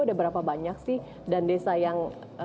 udah berapa banyak sih dan desa yang